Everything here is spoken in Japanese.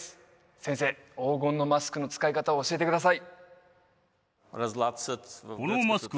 先生黄金のマスクの使い方を教えてください